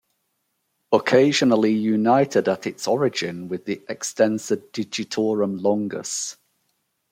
Occasionally united at its origin with the Extensor digitorum longus.